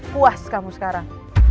aku puas kamu sekarang